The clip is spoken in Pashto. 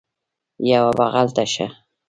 یوه بغل ته شه